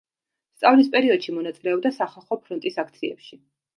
სწავლის პერიოდში მონაწილეობდა სახალხო ფრონტის აქციებში.